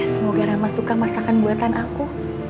semoga rama suka masakan buatan aku